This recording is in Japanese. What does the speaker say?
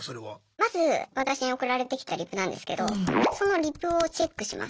まず私に送られてきたリプなんですけどそのリプをチェックします。